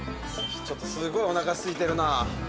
ちょっとすごいおなかすいてるな。